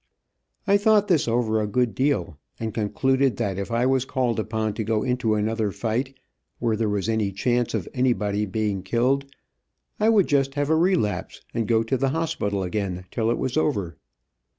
I thought this over a good deal, and concluded that if I was called upon to go into another fight, where there was any chance of anybody being killed, I would just have a relapse, and go to the hospital again till it was over.